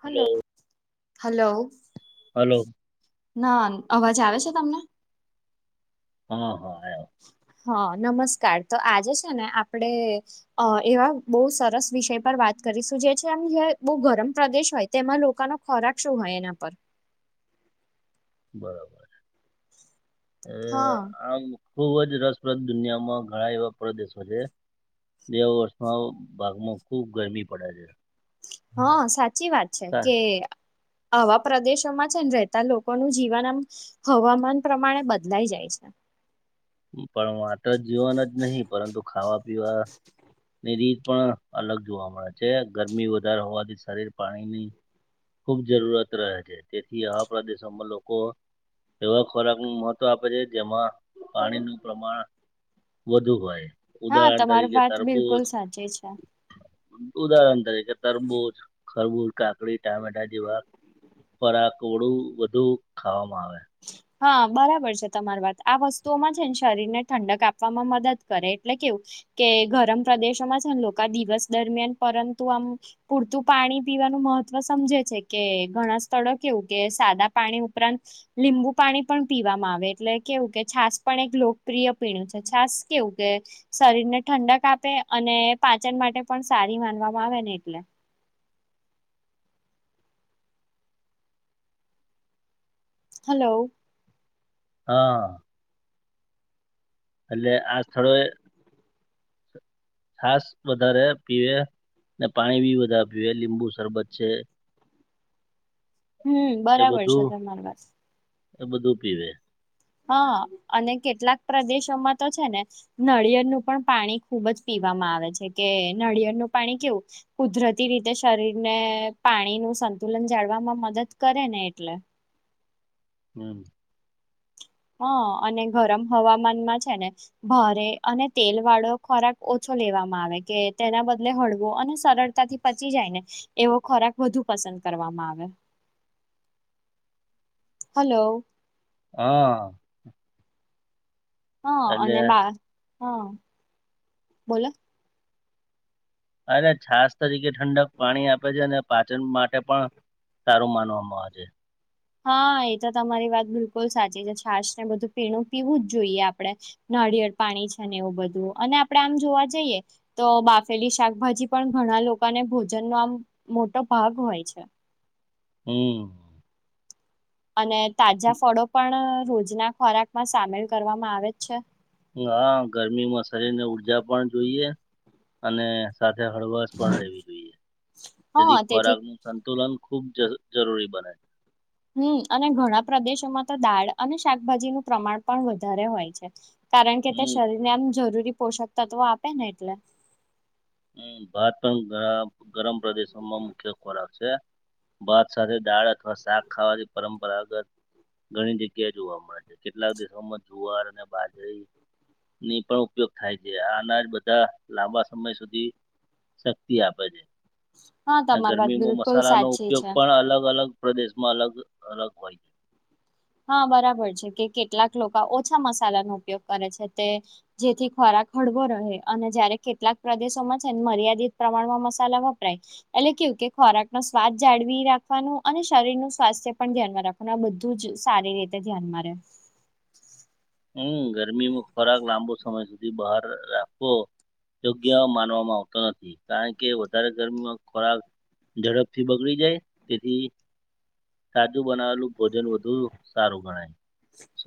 Hello hello hello ના અવાજ આવે છે તમને હા હા આયો હ હા નમસ્કાર તો આજે છે ને આપડે એવા બહુ સરસ વિષય પર વાત વાત કરીશું જે છેમ બહ ગરમ પ્રદેશ હોય તેમાં લોકોનો ખોરાક શું હોય એના પર બરાબર એ હા આ ખૂબ જ રસપ્રદ દુનિયામાં ઘણા એવા પરદેશો છે બે વર્ષના ભાગમાં ખૂબ ગરમી પડે છે હા સાચી વાત છે તા કે આવા પ્રદેશોમાં છે ને રહેતા લોકોનું જીવન આમ હવામાન પ્રમાણે બદલાઈ જાય છે પણ માત્ર જીવન જ નહીં પરંતુ ખાવા પીવા ની રીત પણ અલગ જોવા મળે છે ગરમી વધારે હોવાથી શરીર પાણીની ખૂબ જરૂરત રહે છે તેથી આ પ્રદેશોમાં લોકો એવા ખોરાક નું મોત આપે છે જેમાં પાણીનું પ્રમાણ વધુ હોય હા ઉદાહરણ તમારી તરીકે વાત બિલકુલ તરબૂજ સાચી છે. ઉદાહરણ તરીકે તરબુ જ ખરબૂલ કાકડી ટામેટા જેવા ફરાક ઓડું વધુ ખાવામાં આવે [unintelligible] હા બરાબર છે તમારી વાત આ વસ્તુઓમાં છે ને શરીર ને ઠંડક આપવામાં મદદ કરે એટલે કેવું કે ગરમ પ્રદેશોમાં છેને લોકા દિવસ દરમિયાન પરંતુ આમ પૂરતું પાણી પીવાનું મહત્વ સમજે છે કે ઘણા સ્થળો કેવું કે સાદા પાણી ઉપરાંત લીંબુ પાણી પણ પીવામાં આવે એટલે કેવું કે છાસ પણ એક લોકપ્રિય પીણું છે છાસ કેવું કે શરીર ને ઠંડક આપે અને પાચન માટે પણ સારી માનવામાં આવે ને એટલે. હલો, હા એટલે આ સ્થળોએ છાસ વધારે પીવે, ને પાણી બી વધારે પીવે, લીંબુ શરબત છે હમ એ બરાબર છે બધું તમાર વાત. એ બધું પીવે. હા, અને કેટલાક પ્રદેશોમાં તો છે ને નાળિયેળનું પણ પાણી ખુબ જ પી વામાં આવે છે કે નળિયળ નું પાણી કેવું કુદરતી રીતે શરીર ને પાણી નું સંતુલન જાળવામાં મદદ કરે ને એટલે. હમ. હ અને ગરમ હવામાનમાં છે ને ભારે અને તેલ વાળો ખોરાક ઓછો લેવામાં આવે કે તેના બદલે હળવો અને સરળતાથી પચી જાય ને એવો ખોરાક વધુ પસંદ કરવામાં આવે. હલો. હા હા એટલે અને બ હા બોલો? અનેરે છાસ તરીકે ઠંડક પાણી આપે છે અને પાચન માટે પણ સારું માનવામાં આવે હા એ તો તમારી વાત બિલકુલ સાચી છે, છાશ ને બધું પીણું પીવું જ જોઈએ આપડે. નળિયળ પાણી છે ને એવું બધું અને આપડે આમ જોવા જઈએ તો બાફેલી શાકભાજી પણ ઘણા લોકોને ભોજન નો આમ મોટો ભાગ હોય છે. હમ્મ. અને તાજા ફળો પણ રોજના ખોરાક માં સામેલ કરવામાં આવે જ છે. હા ગરમીમાં શરીર ને ઊર્જા પણ જોઈએ અને સાથે હળવશ પણ રહેવી જોઈએ, તેથી ખોરાક નું સંતુલન ખૂબ જરૂરી બને છે. હમ્મ અને ઘણા પ્રદેશોમાં તો દાળ અને શાકભાજીનું પ્રમાણ પણ વધારે હોય છે. કારણ કે તે હમ શરીરને આમ જરૂરી પોષક તત્વો આપે ને એટલે. હમ્મ ભાત પણ ગરમ પ્રદેશોમાં મુખ્ય ખોરાક છે. ભાત સાથે દાળ અથવા શાક ખાવાની પરંપરાગત ઘણી જગ્યા જોવા મળે છે, કેટલાક દિવોમાં જુવાર અને બાજરી ની પણ ઉપયોગ થાય છે આ અનાજ બધા લાંબા સમય સુધી શક્તિ આપે છે. હા તમારી વાત ગરમીમાં બિલકુલ મસાલાનો સાચી ઉપયોગ છે પણ અલગ અલગ પ્રદેશ માં અલગ અલગ હોય છે. હા બરાબર છે કે કેટલાક લોકો ઓછા મસાલાનો ઉપયોગ કરે છે તે જેથી ખોરા હળવો રહે અને જયારે કેટલાક પ્રદેશોમાં છેને મર્યાદિત પ્રમાણમાં મસાલા વપરાય એટલે કેવું કે ખોરાક નો સ્વાદ જાળવી રાખવાનું, અને શરીર નું સ્વાસ્થ્ય પણ ધ્યાનમાં રાખવાનું આ બધું જ સારી રીતે ધ્યાનમાં રહેે. હમ્મ ગરમીમાં ખોરાક લાંબો સમય સુધી બહાર રાખવો યોગ્ય માનવામાં આવતો નથી, કારણ કે વધારે ગરમીમાં ખોરાક ઝડપથી બગડી જાય જેથી તાજુ બનાવેલું ભોજન વધુ સારું ગણાય.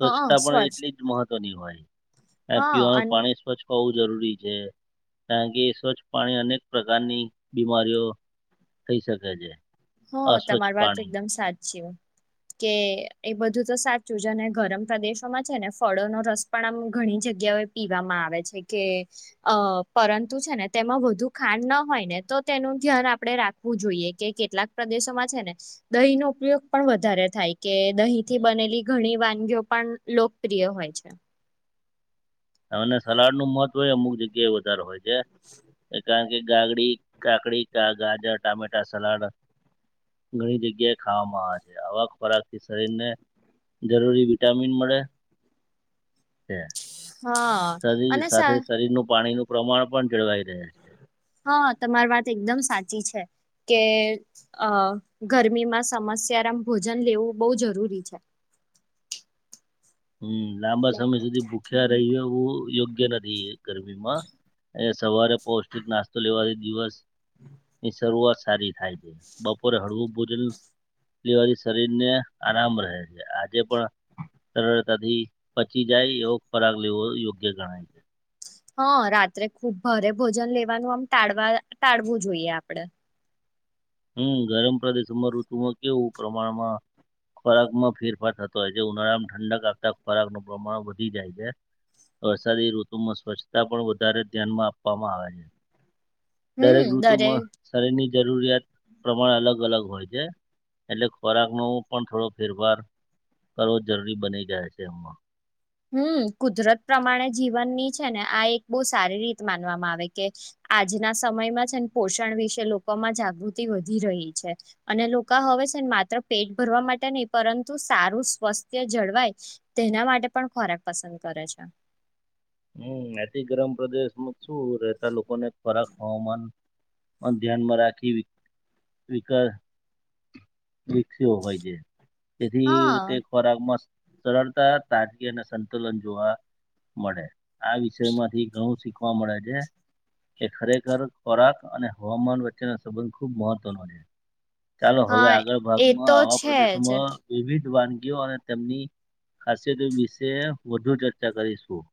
હા પણ એટલી મહત્વની હોય હા પીવાનું અન પાણી સ્વચ્છ હોવું જરૂરી છે કારણ કે સ્વચ્છ પાણી અનેક પ્રકારની બીમારીઓ. થઈ શકે છે. હ અસ્વચ્છ તમારી વાત પાણી એકદમ સાચી. કે એ બધું તો સાચું છે, અને ગરમ પ્રદેશોમાં છે ને ફળો નો રસ પણ આમ ઘણી જગ્યા પીવામાં આવે છે કે અ પરંતુ છે ને તેમાં વધુ ખાંડ ન હોય ને તો તે નું ધ્યાન આપણે રાખવું જોઈએ કે કેટલાક પ્રદેશોમાં છે ને દહીં નો ઉપયોગ પણ વધારે થાય, કે દહીં થી હમ બનેલી ઘણી વાનગીઓ પણ લોકપ્રિય હોય છે. અને સલાડ નું મહત્વ એ અમુક જગ્યા એ વધારે હોય છે, કારણ કે ગાગડી કાકડી, કા ગાજર, ટમેટા સલાડ ઘણી જગ્યાએ ખાવામાં આવે છે, આવક ખોરાક થી શરીરને જરૂરી વિટામિન મળે છે. હા શરીર અને સા સાથે શરીરનું પાણીનું પ્રમાણ પણ જળવાઈ રહે. હા તમારી વાત એકદમ સાચી છે. કે અ ગરમીમાં સમસ્યાારમ ભોજન લેવું બહુ જરૂરી છે. હમ્મ, લાંબા સમય સુધી ભૂખ્યા રહી એવું યોગ્ય નથી. ગરમીમાં. અહીંયા સવારે પૌષ્ટિક નાસ્તો લેવાથી દિવસ ની શરૂઆત સારી થાય છે. બપોરે હળવું ભોજન લેવાથી શરીર ને આરામ રહે છે. આજે પણ સરળતાથી પચી જાય એવો ખોરાગ લેવો યોગ્ય ગણાય. હા, રાત્રે ખુબ ભારે ભોજન લેવાનું આમ ટાળવા ટાળવું જોઈએ આપડે. હમ્મ, ગરમ પ્રદેશમાં ઋતુમાં કેવું પ્રમાણમાં ખોરાકમાં ફેરફાર થતો હોય છે ઉનાળામાં ઠંડક આપતા ખોરાકનું પ્રમાણ વધી જાય છે. વરસાદી ઋતુમાં સ્વચ્છતા પણ વધારે ધ્યાનમાં આપવામાં આવે છે. હમ દરેક દરે ઋતુમાં શરીરની જરૂરિયાત પ્રમાણ અલગ અલગ હોય છે. એટલે ખોરાકનો પણ થોડો ફેરફાર કરવો જરૂરી બની ગયા છે એમમાં. હમ્મ, કુદરત પ્રમાણે જીવનની છે ને આ એક બહુ સારી રીત માનવામાં આવે કે આજના સમયમાં છે પોષણ વિશે લોકોમાં જાગૃતિ વધી રહી છે અને લોકા હવે સેન માત્ર પેટ ભરવા માટે નહી પરંતુ સારું સ્વાસ્થ્ય જળવાય તેના માટે પણ ખોરાક પસંદ કરે છે. હમ્મ, અતિ ગરમ પ્રદેશમાં શું રહેતા લોકોને ખોરાક હવામાન પણ ધ્યાનમાં રાખી વિ-વિકળ વિકસ્યો હોય જે. તેથી હા તે ખોરાગમાં સરળતા તાજગી અને સંતુલન જોવા મળે. આ વિષય માંથી ઘણું શીખવા મળે છે. એ ખરેખર ખોરાક અને હવામાન વચ્ચેનો સંબંધ ખૂબ મહત્વનો છે. ચાલો હવે હા આગળ એ ભાગમાં તો આવા છે જ પ્રદેશોમાં વિવિધ વાનગીઓ અને તેમની ખાસિયત વિશે વધુ ચર્ચા કરીશું.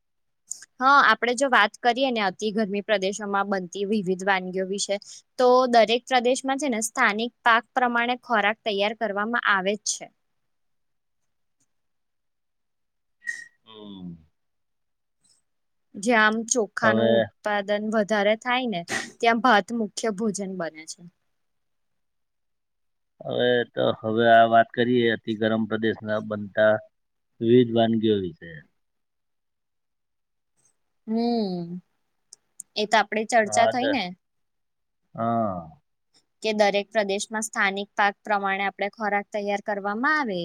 હા, આપડે જો વાત કરીએ ને અતિ ગરમી પ્રદેશોમાં બનતી વિવિધ વાનગીઓ વિશે તો તો દરેક પ્રદેશમાં છે ને સ્થાનિક પાક પ્રમાણે ખોરાક તૈયાર કરવામાં આવે જ છે. હમ જ્યા આમ ચોખા હવે નું ઉત્પાદન વ ધારે થાય ને ત્યાં ભાત મુખ્ય ભોજન બને છે. હવે તો હવે આ વાત કરીએ અતિ ગરમ પ્રદેશના બનતા વિવિધ વાનગીઓ વિશે. હમ્મ, એ તો આપડે હા ચર્ચા દ થઈ ને હા. કે દરેક પ્રદેશમાં સ્થાનિક પાક પ્રમાણે આપણે ખોરાક તૈયાર કરવામાં આવે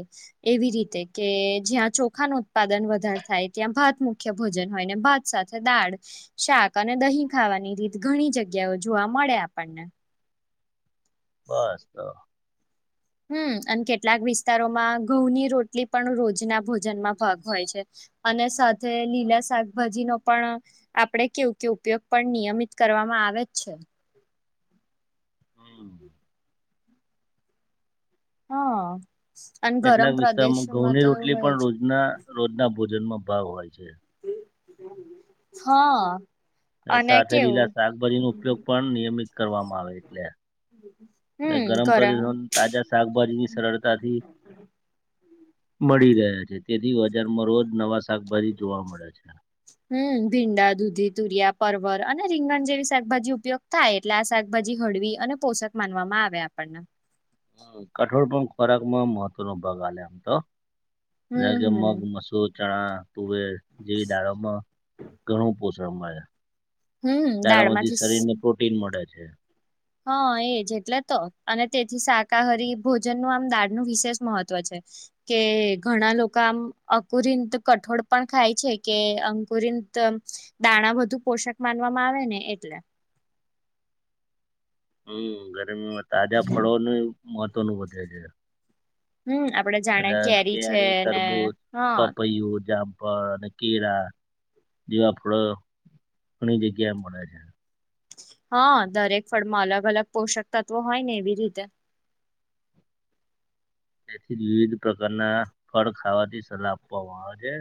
એવી હું તે કે જ્યાં ચોખા નું ઉત્પાદન વધારે થાય ત્યાં ભાત મુખ્ય ભોજન હોય ને ભાત સાથે દા ડ શાક અને દહીં ખાવાની રીત ઘણી જગ્યાઓ જોવા મળે આપણને. બસ તો હમ્મ, અને કેટલાક વિસ્તારોમાં ઘઉંની રોટલી પણ રોજના ભોજનમાં ભાગ હોય છે. અને સાથે લીલા શાકભાજી નો પણ આપડે કેવું કે ઉપયોગ પણ નિયમિત કરવા માં આવે જ છે. હમ્મ. હા. અને ગરમ એટલાક વિસ્તારમાં પ્રદેશોમાં ઘઉંની તો રોટલી હોય પણ જ રોજના રોજના ભોજનમાં ભાવ હોય છે. હા. અહ અને સાથે કેવું લીલા શાકભાજીનો ઉપયોગ પણ નિયમિત કરવામાં આવે એટલે અહ હમ ગરમ ઘરા પ્રદેશ તાજા શાકભાજીબી સરળતાથી મળી ગયા છે. તેથી બજારમાં રોજ નવા શાકભાજી જોવા મળે છે. હમ ભીંડા, દૂધી, તુરિયા, પરવર અને રીંગણ જેવી શાકભાજી ઉપયોગ થાય એટલે આ શાકભાજી હળવી અને પોષક માનવામાં આવે આપણને. હા, કઠોળ પણ ખોરાક માં મહત્વ નો ભાગ આલે આમ તો. ના હમ કે મગ, હમ મસુર, ચણા, તુવેર જેવી દાળોમાં ઘણુ પોષ ણ મળે. હમ દાડોમાંથી દાળમાંથી શરીર ને પ્રોટીન મળે છે. હા એજ એટલે તો અને તેથી શાકાહારી ભોજનનું આમ દાળનું વિશેષ મહત્વ છે. કે ઘણા લોકો આમ અકુરિંત કઠોળ પણ ખાય છે કે અંકુરિંન ત દાણા બધુ પોષક માનવામાં આવે ને એટલે હમ્મ ગરમીમાં તાજા ફળોનું મહત્વનું વધે છે. હમ આપડે જાણે અને છે કેરી, ને તરબૂજ, હા પપૈયુ, જામ ફળ કેરા જેવા ફળો ઘણી જગ્યાએ મળે છે. હાં, દરેક ફળમાં અલગ અલગ પોષક તત્વો હોય ને એવી રીતે તેથી વિવિધ પ્રકારના ફળ ખાવાથી સલાહ આપવામાં આવે છે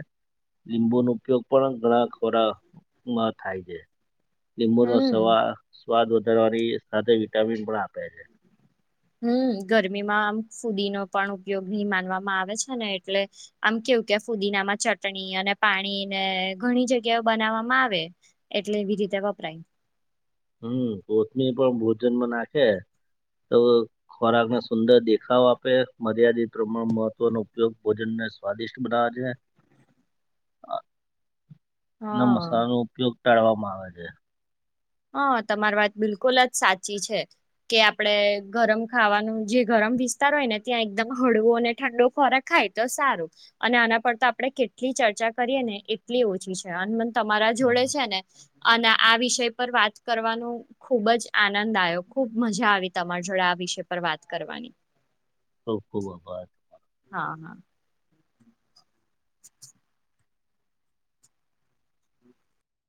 લીંબુનો ઉપયોગ પણ ઘણા ખોરામાં થાય છે લીંબુ નો હમ સવા સ્વાદ વધારવાની સાથે વિટામિન પણ આપે છે હમ્મ ગરમીમાં આમ ફુદીનો પણ ઉપયોગી માનવામાં આવે છે ને એટલે આમ કે કેવુ ત્યાં ફુદીનામાં ચટણી અને પાણીને ઘણી જગ્યાઓ બનાવવામાં આવે એટલે રીતે વાપરાય હમ્મ કોથમી પણ ભોજનમાં નાંખે તો ખોરાકને સુંદર દેખાવ આપે મર્યાદિત પ્રમાણ મહત્વનો ઉપયોગ ભોજન ને સ્વાદિષ્ટ બધા જે [inaudible] ના હા મસાલાનો ઉપયોગ ટાળવામાં આવે છે હાં, તમારી વાત બિલકુલ જ સાચી છે. કે આપડે ગરમ ખાવાનું જે ગરમ વિસ્તાર હોય ને ત્યાં એકદમ હળવો અને ઠંડો ખોરાક ખા ખાય તો સારું અને આના પર તો આપણે કેટલી ચર્ચા કરીએ ને એટલી ઓછી છે અન મ તમારા જોડે હમ્મ, છે ને અન આ વિષય પર વાત કરવાનું ખુબ જ આનંદ આયો, ખુબ મજા આવી તમારી જોડે આ વિષય પર વાત કરવાની. [inaudible] ખૂબ ખૂબ આભાર. હા, હા. [inaudible]